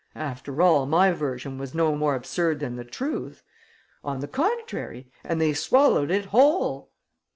After all, my version was no more absurd than the truth. On the contrary. And they swallowed it whole!